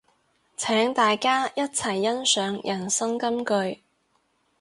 請大家一齊欣賞人生金句